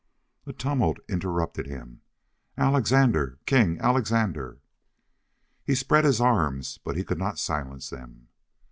A tumult interrupted him. "Alexandre! King Alexandre!" He spread his arms, but he could not silence them.